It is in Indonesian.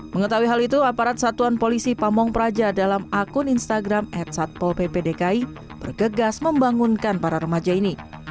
mengetahui hal itu aparat satuan polisi pamong praja dalam akun instagram at satpol ppdki bergegas membangunkan para remaja ini